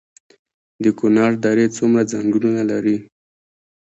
د کونړ درې څومره ځنګلونه لري؟